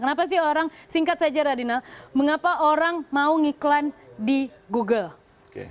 kenapa sih orang singkat saja radinal mengapa orang mau mengiklan di google